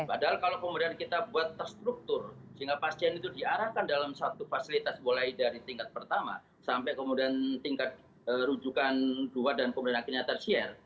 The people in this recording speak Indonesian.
padahal kalau kemudian kita buat terstruktur sehingga pasien itu diarahkan dalam satu fasilitas mulai dari tingkat pertama sampai kemudian tingkat rujukan dua dan kemudian akhirnya ter share